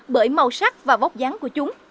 bởi màu sắc và vóc dáng của chúng